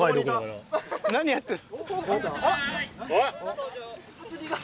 何やってる？